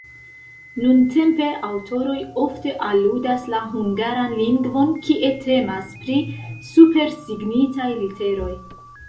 Nuntempe aŭtoroj ofte aludas la hungaran lingvon, kie temas pri supersignitaj literoj.